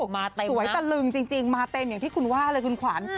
มาเต็มสวยตะลึงจริงมาเต็มอย่างที่คุณว่าเลยคุณขวัญ